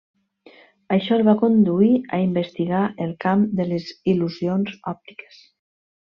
Això el va conduir a investigar el camp de les il·lusions òptiques.